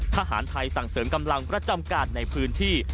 ทหารไทยสั่งเสริมกำลังประจำการในพื้นที่